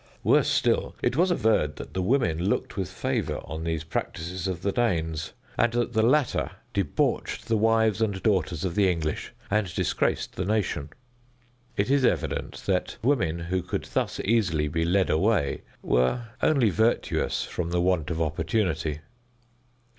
Worse still, it was averred that the women looked with favor on these practices of the Danes, and that the latter debauched the wives and daughters of the English, and disgraced the nation. It is evident that women who could thus easily be led away were only virtuous from the want of opportunity.